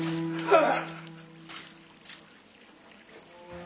ああ。